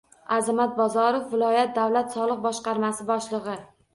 Azamat Bozorov - viloyat davlat soliq boshqarmasi boshlig'i